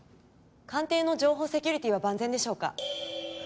官邸の情報セキュリティーは万全でしょうか？